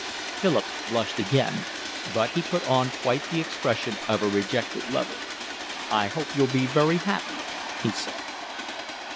Philip blushed again, but he put on quite the expression of a rejected lover. "I hope you'll be very happy," he said.